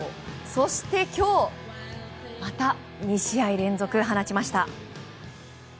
そして今日また２試合連続放ちました。